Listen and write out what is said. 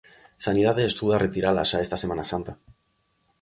Sanidade estuda retirala xa esta Semana Santa.